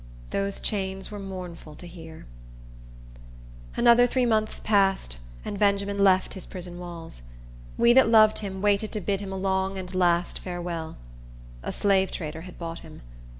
Those chains were mournful to hear. Another three months passed, and Benjamin left his prison walls. We that loved him waited to bid him a long and last farewell. A slave trader had bought him.